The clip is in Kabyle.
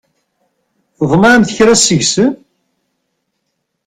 Tḍemɛemt kra seg-sen?